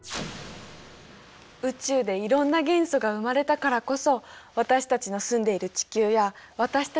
宇宙でいろんな元素が生まれたからこそ私たちの住んでいる地球や私たち自身も生まれたのね。